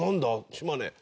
島根。